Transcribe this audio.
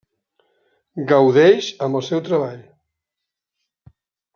Gaudeix amb el seu treball.